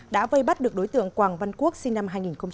đã vây bắt được đối tượng quảng văn quốc sinh năm hai nghìn